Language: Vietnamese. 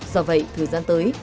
do vậy thời gian tới